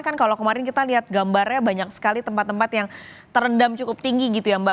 kan kalau kemarin kita lihat gambarnya banyak sekali tempat tempat yang terendam cukup tinggi gitu ya mbak